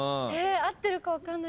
合ってるか分かんない。